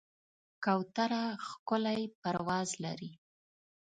کوتره ښکلی پرواز لري.